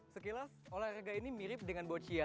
sekilas olahraga ini mirip dengan boccia